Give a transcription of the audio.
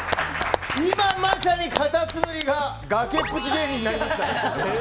今まさにかたつむりが崖っぷち芸人になりました。